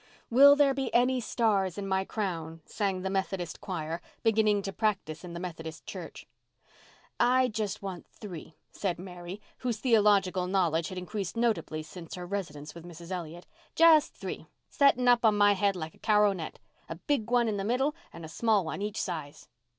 "Will there be any stars in my crown?" sang the Methodist choir, beginning to practise in the Methodist church. "I want just three," said Mary, whose theological knowledge had increased notably since her residence with Mrs. Elliott. "Just three—setting up on my head, like a corownet, a big one in the middle and a small one each side."